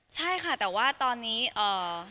ใช่ค่ะแต่ว่าตอนนี้เอ่อ